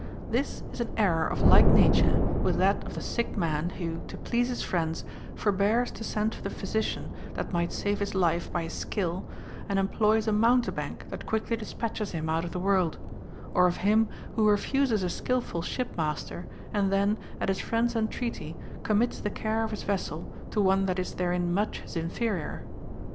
This is an error of like nature with that of the sick man, who, to please his friends, forbears to send for tlie physician that might save his life by his skill, and employs a mountebank that quick ly dispatcheth him out of the ΛVorld ; or of him who refuses a 'skilful shipmaster, and then, at his friend's en treaty, commits the care of his vessel to one that is therein much his inferior.